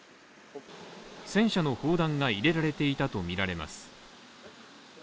戦車の砲弾が入れられていたとみられます。